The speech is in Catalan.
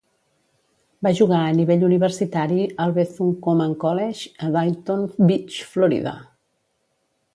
Va jugar a nivell universitari al Bethune-Cookman College, a Daytona Beach, Florida.